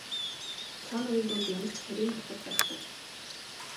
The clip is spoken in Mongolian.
Та нарын дунд ямар ч харийн бурхад байхгүй.